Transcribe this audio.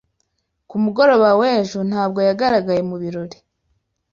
Ku mugoroba w'ejo, ntabwo yagaragaye mu birori